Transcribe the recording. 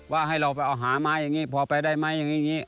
ให้เราไปเอาหาไม้อย่างนี้พอไปได้ไหมอย่างนี้